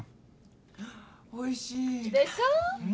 おいしいでしょう？